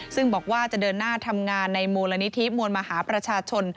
ซึ่งบอกว่าจะเดินหน้าทำงานในมูลนิธิมวลมหาประชาชน